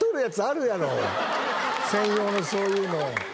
専用のそういうの。